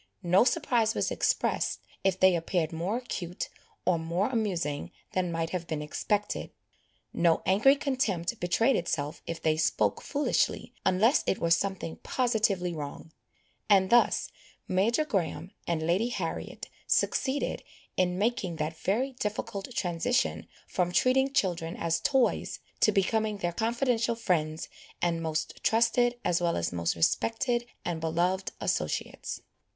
No surprise was expressed, if they appeared more acute or more amusing than might have been expected, no angry contempt betrayed itself if they spoke foolishly, unless it were something positively wrong; and thus Major Graham and Lady Harriet succeeded in making that very difficult transition from treating children as toys, to becoming their confidential friends, and most trusted, as well as most respected and beloved associates.